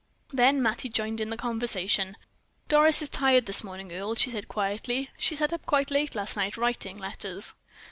Then Mattie joined in the conversation. "Doris is tired this morning, Earle," she said, quietly. "She sat up quite late last night writing letters."